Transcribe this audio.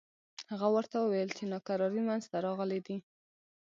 هغه ورته وویل چې ناکراری منځته راغلي دي.